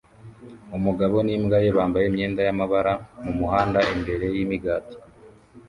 Umugabo n'imbwa ye bambaye imyenda y'amabara mumuhanda imbere yimigati